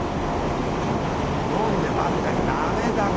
もう飲んでばっかじゃ駄目田口さん！